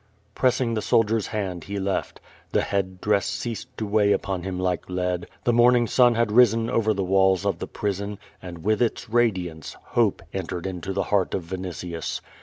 Pressing the soldier's hand he left. The head dress ceasid to weigh upon him like lead. The morning sun had risen over the walls of the prison, and with its radiance, hope en tered into the heart of Vinitius.